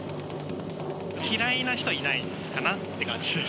嫌いな人はいないかなって感じです。